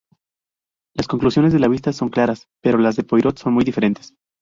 Las conclusiones de la vista son claras, pero las de Poirot son muy diferentes.